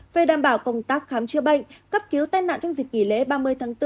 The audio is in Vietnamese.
về đảm bảo công tác khám chữa bệnh cấp cứu tên nạn trong dịch kỷ lễ ba mươi tháng bốn